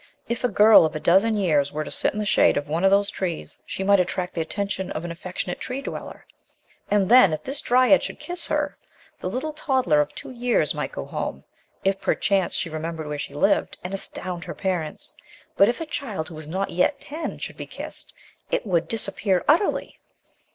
If a girl, of a dozen years, were to sit in the shade of one of these trees, she might attract the attention of an affectionate tree dweller; and then, if this dryad should kiss her, the little toddler of two years might go home — if per chance, she remembered where she lived — and astound her parents. But if a child who was not yet ten should be kissed, it would disappear utterly.